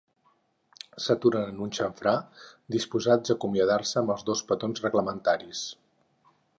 S'aturen en un xamfrà, disposats a acomiadar-se amb els dos petons reglamentaris.